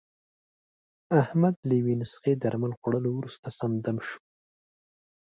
احمد له یوې نسخې درمل خوړلو ورسته، سم دم شو.